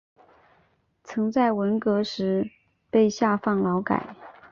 曾在文革时被下放劳改。